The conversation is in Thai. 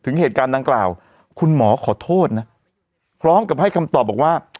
ถึงเหตุการณ์ดังกล่าวคุณหมอขอโทษนะพร้อมกับให้คำตอบบอกว่า